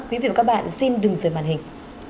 quý vị và các bạn xin đừng rời màn hình